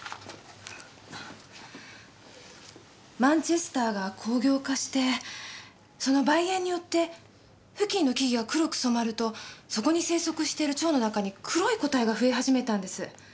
マンチェスターが工業化してその煤煙によって付近の木々が黒く染まるとそこに生息してる蝶の中に黒い個体が増え始めたんです。